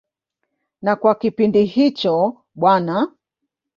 Na kwa kipindi hicho Bw.